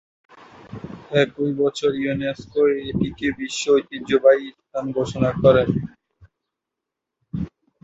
একই বছর ইউনেস্কো এটিকে বিশ্ব ঐতিহ্যবাহী স্থান ঘোষণা করে।